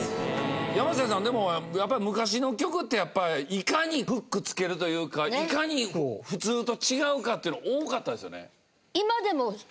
山瀬さんでも昔の曲ってやっぱりいかにフックつけるというかいかに普通と違うかっていうの多かったですよね。